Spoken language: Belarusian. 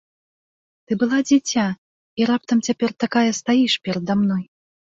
Ты была дзіця і раптам цяпер такая стаіш перада мной!